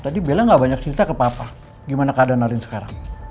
tadi bella gak banyak cerita ke papa gimana keadaan allin sekarang